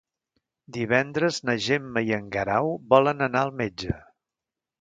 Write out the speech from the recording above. Divendres na Gemma i en Guerau volen anar al metge.